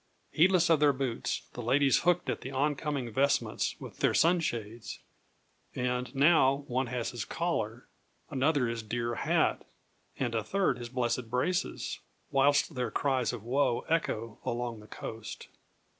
Heedless of their boots, the ladies hooked at the oncoming vestments with their sunshades; and, now, one has his collar, another his dear hat, and a third his blessed braces, whilst their cries of woe echo along the coast.